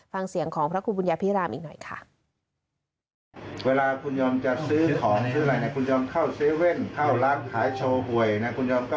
ฟังเสียงของพระคุณบุญญาพิรามอีกหน่อยค่ะ